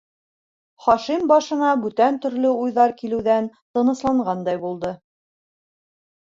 Хашим башына бүтән төрлө уйҙар килеүҙән тынысланғандай булды.